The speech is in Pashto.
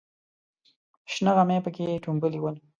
شنه غمي پکې ټومبلې ول.